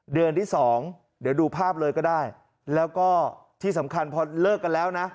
เดือนที่สองเดี๋ยวดูภาพเลยก็ได้แล้วก็ที่สำคัญพอเลิกกันแล้วนะ